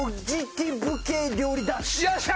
よっしゃ！